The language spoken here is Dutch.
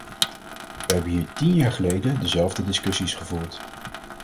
We hebben hier tien jaar geleden dezelfde discussies gevoerd.